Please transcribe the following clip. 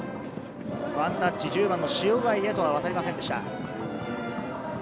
ワンタッチ、１０番の塩貝へとは渡りませんでした。